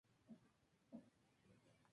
Son plantas de raíces gruesas y carnosas.